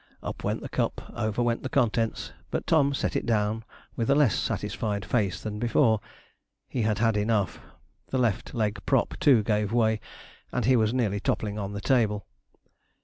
Up went the cup, over went the contents; but Tom set it down with a less satisfied face than before. He had had enough. The left leg prop, too, gave way, and he was nearly toppling on the table.